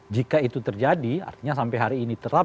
jika itu terjadi artinya sampai hari ini terapkan